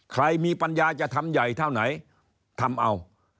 ใครมีปัญญาจะทำใหญ่เท่าไหนทำเอา